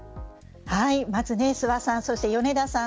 まず、諏訪さん、米田さん